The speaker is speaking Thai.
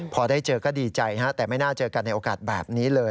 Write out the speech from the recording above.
พอได้เจอก็ดีใจฮะแต่ไม่น่าเจอกันในโอกาสแบบนี้เลย